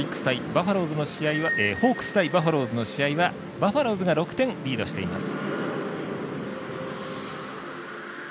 ホークス対バファローズの試合はバファローズが６点、リードしています。